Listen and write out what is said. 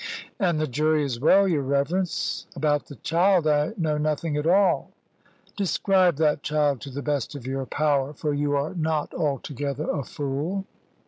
"And the jury as well, your reverence. About the child I know nothing at all." "Describe that child to the best of your power: for you are not altogether a fool."